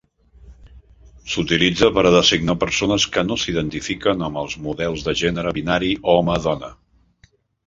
S'utilitza per a designar persones que no s'identifiquen amb els models de gènere binari home-dona.